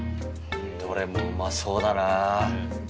どれもうまそうだな。